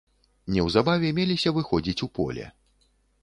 Неўзабаве меліся выходзіць у поле.